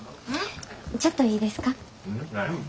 ちょっといいですか？